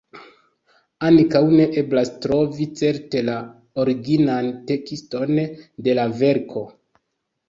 Ankaŭ ne eblas trovi certe la originan tekston de la verko.